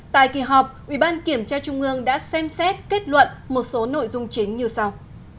tại kỳ họp ủy ban kiểm tra trung ương đã xem xét kết luận một số nội dung chính như sau